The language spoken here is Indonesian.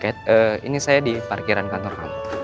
kate ini saya di parkiran kantor kamu